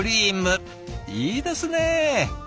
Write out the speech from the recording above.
いいですね。